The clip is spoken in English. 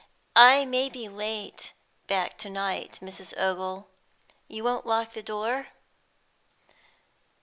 "I may be late back to night, Mrs. Ogle. You won't lock the door?"